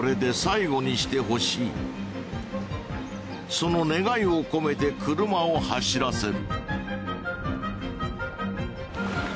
その願いを込めて車を走らせる。